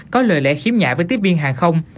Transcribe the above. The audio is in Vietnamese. có lời lẽ khiếm nhạ với tiếp viên hàng không